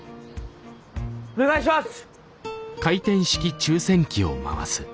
お願いします！